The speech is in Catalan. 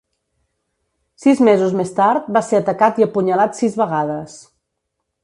Sis mesos més tard, va ser atacat i apunyalat sis vegades.